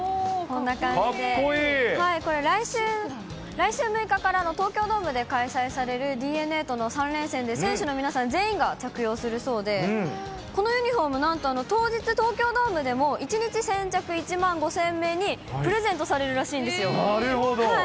これ、来週６日から、東京ドームで開催されるＤｅＮＡとの３連戦で、選手の皆さん、全員が着用するそうで、このユニホーム、なんと当日、東京ドームでも１日先着１万５０００名にプレゼントされるらなるほど。